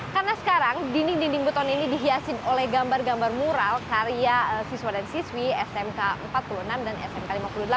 karena sekarang dinding dinding beton ini dihiasin oleh gambar gambar mural karya siswa dan siswi smk empat puluh enam dan smk lima puluh delapan